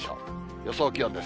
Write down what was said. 予想気温です。